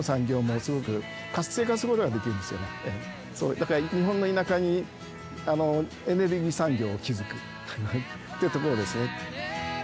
だから日本の田舎にエネルギー産業を築くっていうところですね。